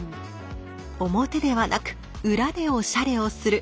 表ではなく裏でおしゃれをする。